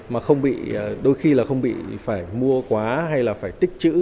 mà không bị đôi khi là không bị phải mua quá hay là phải tích chữ